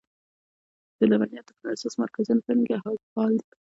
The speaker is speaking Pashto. د لبنیاتو د پروسس مرکزونه په ننګرهار کې فعال دي.